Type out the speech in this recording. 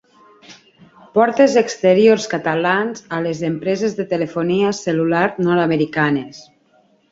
Portes exteriors catalans a les empreses de telefonia cel·lular nord-americanes.